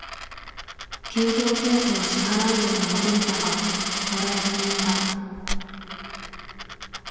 休業手当を支払うように求めたがもらえずにいた。